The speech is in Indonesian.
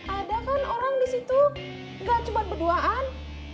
ada kan orang disitu gak cuma berduaan